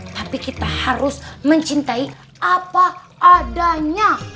tapi kita harus mencintai apa adanya